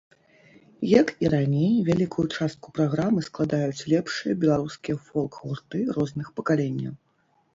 Як і раней, вялікую частку праграмы складаюць лепшыя беларускія фолк-гурты розных пакаленняў.